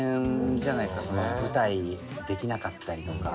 舞台できなかったりとか。